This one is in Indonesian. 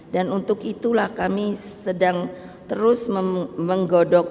dan untuk itulah kami sedang terus menggodok